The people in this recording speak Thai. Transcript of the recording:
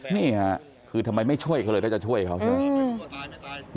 นี่ฮะคือทำไมไม่ช่วยเขาเลยต้องจากให้ช่วย